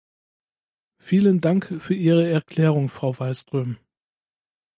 Vielen Dank für Ihre Erklärung, Frau Wallström.